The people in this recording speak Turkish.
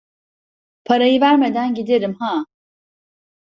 Parayı vermeden giderim ha!